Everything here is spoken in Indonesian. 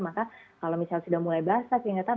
maka kalau misalnya sudah mulai basah kelihatan